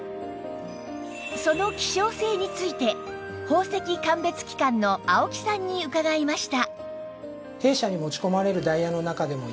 その希少性について宝石鑑別機関の青木さんに伺いました